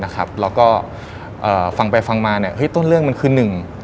แล้วก็ฟังไปฟังมาต้นเรื่องมันคือหนึ่ง